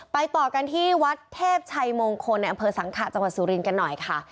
ต่อกันที่วัดเทพชัยมงคลในอำเภอสังขะจังหวัดสุรินทร์กันหน่อยค่ะ